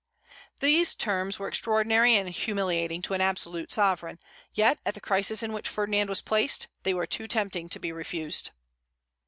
These terms were extraordinary and humiliating to an absolute sovereign, yet, at the crisis in which Ferdinand was placed, they were too tempting to be refused.